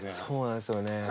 そうなんですよね。